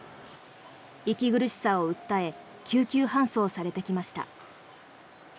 息苦しさを訴え救急搬送されてきました。